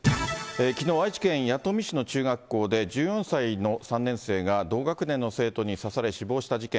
きのう、愛知県弥富市の中学校で、１４歳の３年生が同学年の生徒に刺され死亡した事件。